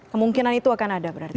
kemungkinan itu akan ada berarti